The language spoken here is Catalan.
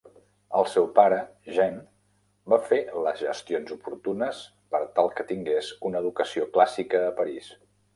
El seu pare, Jean, va fer les gestions oportunes per tal que tingués una educació clàssica a París.